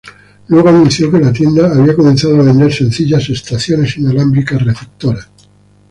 Luego anunció que la tienda había comenzado a vender sencillas "estaciones inalámbricas receptoras".